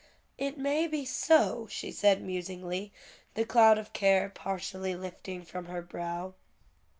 "It may be so," she said, musingly, the cloud of care partially lifting from her brow.